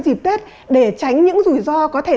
dịp tết để tránh những rủi ro có thể